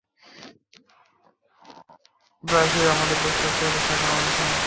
প্রায়শই আমাদের প্রশ্নের উত্তর আমাদের চোখের সামনেই থাকে।